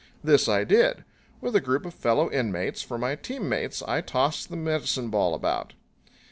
This I did. With a group of fellow inmates for my team mates, I tossed the medicine ball about.